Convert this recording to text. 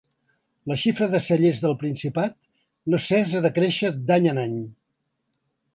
La xifra de cellers del Principat no cessa de créixer d’any en any.